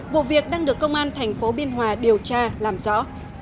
vụ việc đang được công an thành phố biên hòa điều tra làm rõ